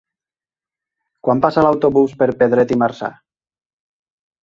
Quan passa l'autobús per Pedret i Marzà?